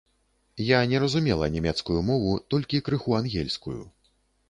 Я не разумела нямецкую мову, толькі крыху ангельскую.